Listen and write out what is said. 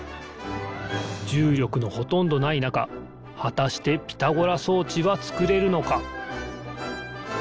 じゅうりょくのほとんどないなかはたしてピタゴラそうちはつくれるのか？